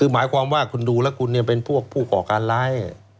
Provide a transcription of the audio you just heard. หมายความว่าคุณดูแล้วคุณเป็นพวกผู้ก่อการร้าย